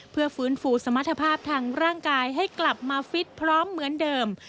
เพื่อฟื้นฟูสมรรถภาพทางร่างกายให้กลับมาฟิตพร้อมเหมือนเดิม